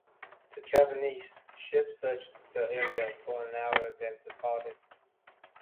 The Japanese ship searched the area for an hour, then departed.